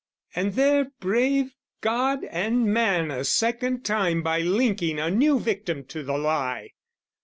And there brave God and man a second time By linking a new victim to the lie.